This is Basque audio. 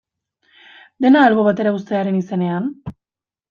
Dena albo batera uztearen izenean?